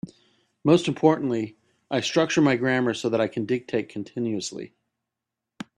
Most importantly, I structure my grammar so that I can dictate continuously.